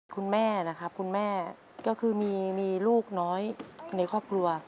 คุณแม่นะครับคุณแม่ก็คือมีลูกน้อยในครอบครัว